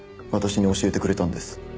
私に教えてくれたんです。